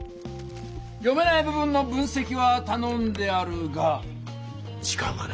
読めない部分の分せきはたのんであるが時間がない。